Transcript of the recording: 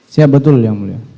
siap betul yang mulia